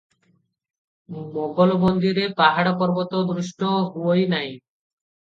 ମୋଗଲବନ୍ଦୀରେ ପାହାଡ଼ପର୍ବତ ଦୃଷ୍ଟ ହୁଅଇ ନାହିଁ ।